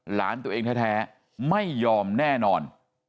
หลานตัวเองแท้ไม่ยอมแน่นอน